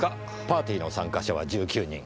パーティーの参加者は１９人。